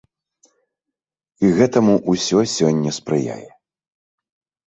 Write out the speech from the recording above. І гэтаму ўсё сёння спрыяе.